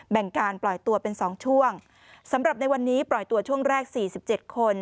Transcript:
แบ่งการปล่อยตัวเป็นสองช่วงสำหรับในวันนี้ปล่อยตัวช่วงแรกสี่สิบเจ็ดคน